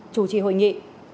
chủ trì hội nghị